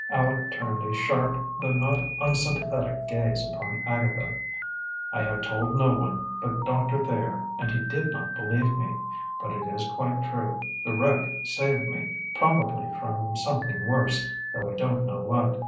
Aleck turned a sharp, though not unsympathetic, gaze upon Agatha. "I have told no one but Doctor Thayer, and he did not believe me. But it is quite true; the wreck saved me, probably, from something worse, though I don't know what."